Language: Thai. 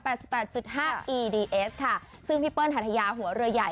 แปดสิบแปดจุดห้าค่ะซึ่งพี่เปิ้ลถาธยาหัวเรือใหญ่